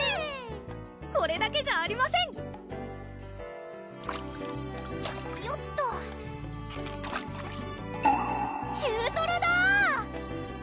これだけじゃありませんよっと中トロだ！